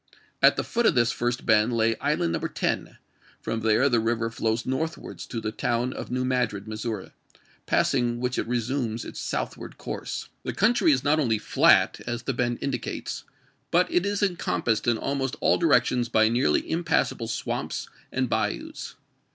At the foot of this first bend lay Island No. 10 ; from there the river flows northwards to the town of New Madrid, Missouri, passing which it resumes its southward course. The country is not only flat, as the bend indicates, but it is encompassed in almost all directions by nearly impassable swamps and bayous.